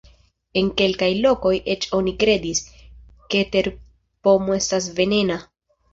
En kelkaj lokoj eĉ oni kredis, ke terpomo estas venena.